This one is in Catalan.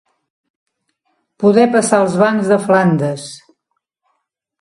Poder passar els bancs de Flandes.